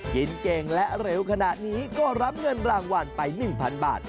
กินเก่งและเร็วขนาดนี้ก็รับเงินรางวัลไป๑๐๐๐บาท